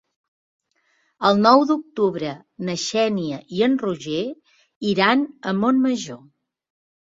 El nou d'octubre na Xènia i en Roger iran a Montmajor.